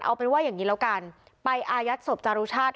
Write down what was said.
เอาเป็นว่าอย่างนี้แล้วกันไปอายัดศพจารุชาติ